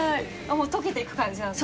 もう溶けていく感じなんですね。